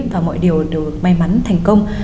và mọi điều được may mắn thành công